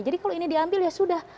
jadi kalau ini diambil ya sudah